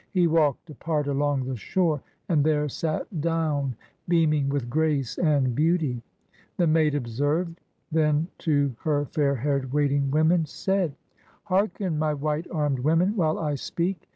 He walked apart along the shore, and there sat down, beaming with grace and beauty. The maid observed; then to her fair haired waiting women said :— "Hearken, my white armed women, while I speak.